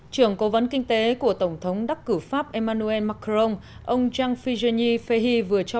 trưởng cố vấn kinh tế của tổng thống đắc cử pháp emmanuel macron ông jean philippe fahy vừa cho